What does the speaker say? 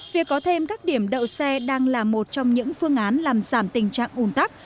việc có thêm các điểm đậu xe đang là một trong những phương án làm giảm tình trạng ủn tắc